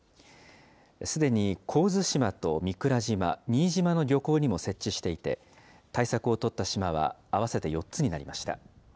すでに神津島と御蔵島、新島の漁港にも設置していて、対策を取った島は合わせて４つになりました。